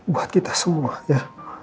buat kita semua ya